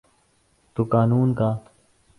تو قانون کا۔